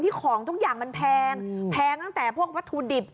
ของทุกอย่างมันแพงแพงตั้งแต่พวกวัตถุดิบ